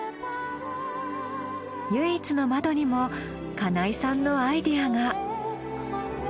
唯一の窓にも金井さんのアイデアが。